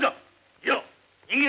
いや人間か